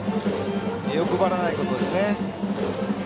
欲張らないことですね。